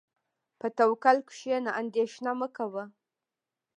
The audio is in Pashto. په توکل کښېنه، اندېښنه مه کوه.